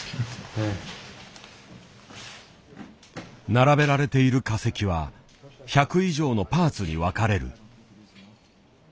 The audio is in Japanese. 並べられている化石は１００以上のパーツに分かれる。